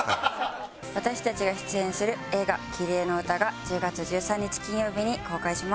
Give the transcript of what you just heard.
私たちが出演する映画『キリエのうた』が１０月１３日金曜日に公開します。